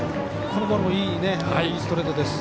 このボールもいいストレートです。